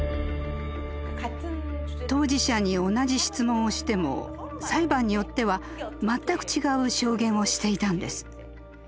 当事者に同じ質問をしても裁判によっては全く違う証言をしていたんです。